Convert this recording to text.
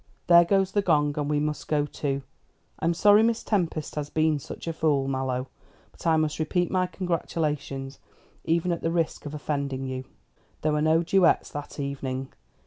There goes the gong, and we must go too. I'm sorry Miss Tempest has been such a fool, Mallow; but I must repeat my congratulations, even at the risk of offending you." There were no duets that evening.